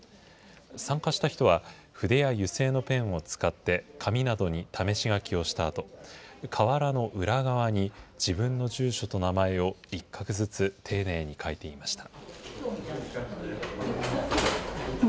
参加した人は、筆や油性のペンを使って紙などに試し書きをしたあと、瓦の裏側に自分の住所と名前を一画ずつ丁寧に書いていました。